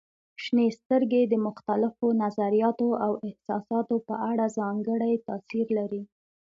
شنې سترګې د مختلفو نظریاتو او احساساتو په اړه ځانګړی تاثير لري.